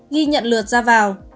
ghi nhận lượt ra vào